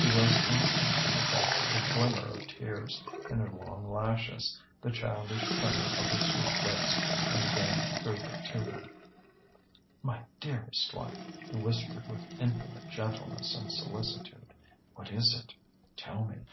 He was instant to detect the glimmer of tears in her long lashes, the childish tremor of her sweet lips, and again drew her to him. "My dearest one!" he whispered with infinite gentleness and solicitude. "What is it? Tell me."